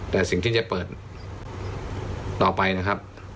แต่สิ่งที่จะเปิดต่อไปนะครับ